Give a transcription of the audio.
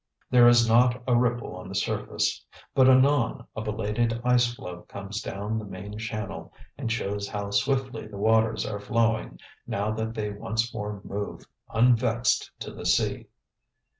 There is not a ripple on the surface. But anon a belated ice floe comes down the main channel and shows how swiftly the waters are flowing now that they once more move "unvexed to the sea."